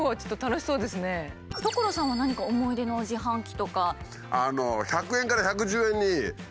所さんは何か思い出の自販機とか。